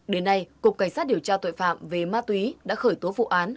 đến nay cục cảnh sát điều tra tội phạm về ma túy đã khởi tố vụ án